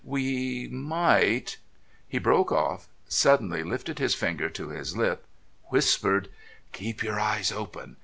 We might " He broke off, suddenly lifted his finger to his lip, whispered: "Keep your eyes open.